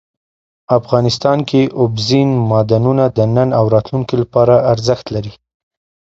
افغانستان کې اوبزین معدنونه د نن او راتلونکي لپاره ارزښت لري.